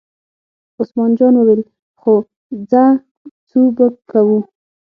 عثمان جان وویل: خو ځه څو به کوو.